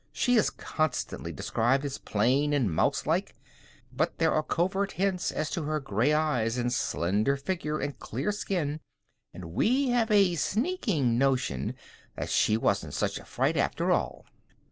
She is constantly described as plain and mouse like, but there are covert hints as to her gray eyes and slender figure and clear skin, and we have a sneaking notion that she wasn't such a fright after all.